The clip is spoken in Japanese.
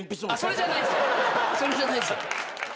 それじゃないっすよ。